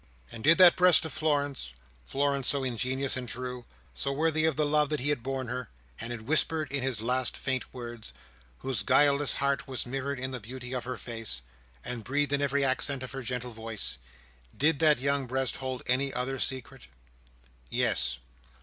And did that breast of Florence—Florence, so ingenuous and true—so worthy of the love that he had borne her, and had whispered in his last faint words—whose guileless heart was mirrored in the beauty of her face, and breathed in every accent of her gentle voice—did that young breast hold any other secret? Yes.